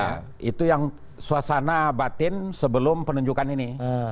ya itu yang suasana batin sebelum penunjukan ini